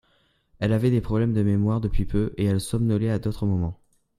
elle avait des problèmes de mémoire depuis peu et elle somnolait à d'autres moments.